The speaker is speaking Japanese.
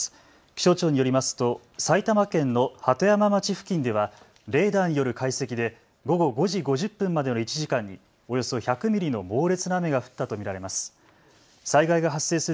気象庁によりますと埼玉県の鳩山町付近ではレーダーによる解析で午後５時５０分までの１時間におよそ１００ミリの猛烈な雨が降ったと見られます。